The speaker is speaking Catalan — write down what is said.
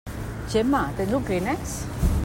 Gemma, tens un clínex?